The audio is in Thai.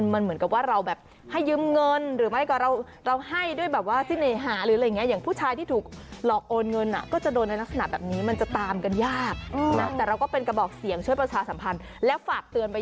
มันเหมือนกับให้ยืมเงินหรือไม่เราให้ด้วยสุ่นในหา